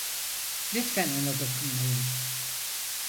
Lütfen ona dokunmayın.